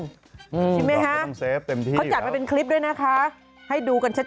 ใช่ไหมฮะเขาจัดไปเป็นคลิปด้วยนะคะให้ดูกันชัด